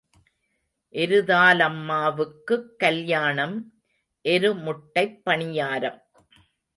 எருதாலம்மாவுக்குக் கல்யாணம் எரு முட்டைப் பணியாரம்.